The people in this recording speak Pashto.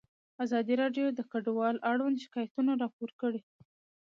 ازادي راډیو د کډوال اړوند شکایتونه راپور کړي.